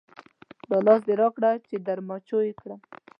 دا لاس دې راکړه چې در مچو یې کړم.